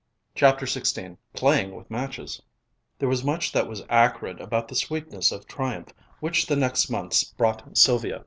CHAPTER XVI PLAYING WITH MATCHES There was much that was acrid about the sweetness of triumph which the next months brought Sylvia.